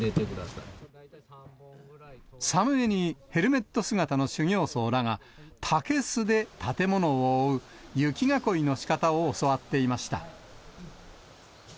さむえにヘルメット姿の修行僧らが、竹すで建物を覆う、雪囲いのしかたを教わっていました。